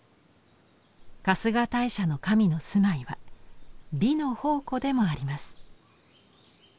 春日大社の神の住まいは美の宝庫でもあります。